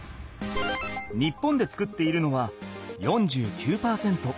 日本で作っているのは４９％。